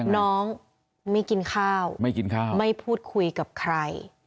น้องไม่กินข้าวไม่พูดคุยกับใคร